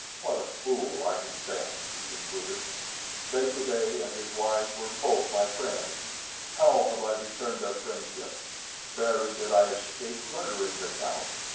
"What a fool I have been," he concluded. "De Coude and his wife were both my friends. How have I returned their friendship? Barely did I escape murdering the count.